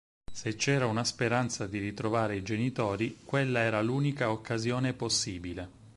Se c'era una speranza di ritrovare i genitori, quella era l'unica occasione possibile.